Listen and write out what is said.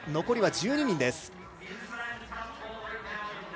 残りは１２人です。